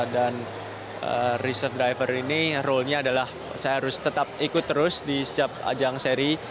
dan reserve driver ini role nya adalah saya harus tetap ikut terus di setiap ajang seri